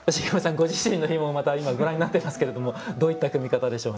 ご自身のひももまた今ご覧になってますけれどもどういった組み方でしょうね。